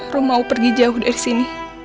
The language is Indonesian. ro mau pergi jauh dari sini